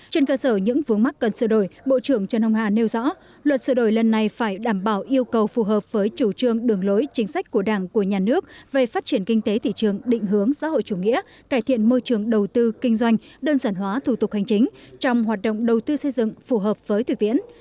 trên cơ sở những vướng mắc cần sửa đổi bộ trưởng trần hồng hà nêu rõ luật sửa đổi lần này phải đảm bảo yêu cầu phù hợp với chủ trương đường lối chính sách của đảng của nhà nước về phát triển kinh tế thị trường định hướng xã hội chủ nghĩa cải thiện môi trường đầu tư kinh doanh đơn giản hóa thủ tục hành chính trong hoạt động đầu tư xây dựng phù hợp với thực tiễn